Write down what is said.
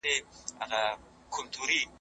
زه باور لرم چي روښانه سبا راځي.